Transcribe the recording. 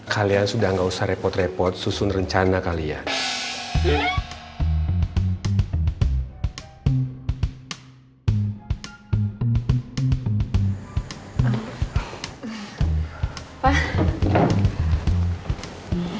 kalian sudah gak usah repot repot susun rencana kalian